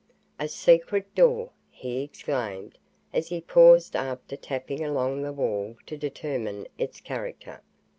"A secret door!" he exclaimed, as he paused after tapping along the wall to determine its character.